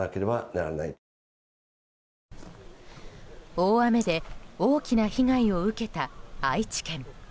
大雨で大きな被害を受けた愛知県。